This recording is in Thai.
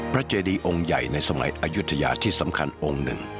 เจดีองค์ใหญ่ในสมัยอายุทยาที่สำคัญองค์หนึ่ง